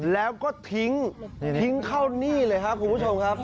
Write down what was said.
แล้วก็ทิ้งทิ้งเข้าหนี้เลยครับคุณผู้ชมครับ